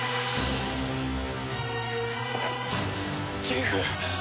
ギフ！